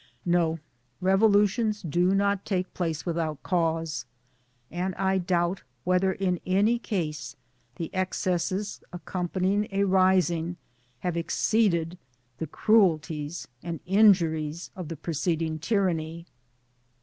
No, revolutions do not take place without cause ; and I doubt whether in any case the excesses accompanying a rising have ex ceeded the cruelties and injuries of the preceding tyranny.